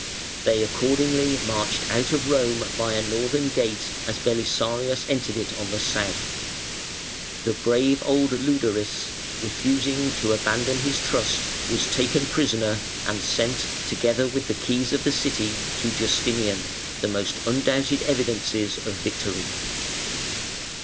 They accordingly marched out of Rome by a northern gate as Belisarius entered it on the south. The brave old Leudaris, refusing to abandon his trust, was taken prisoner, and sent, together with the keys of the City, to Justinian, most undoubted evidences of victory.